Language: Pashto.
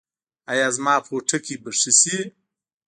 ایا زما پوټکی به ښه شي؟